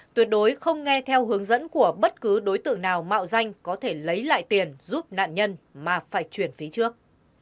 tuyệt đối không nghe theo hướng dẫn của bất cứ đối tượng nào mạo danh có thể lấy lại tiền giúp nạn nhân mà phải chuyển phí trước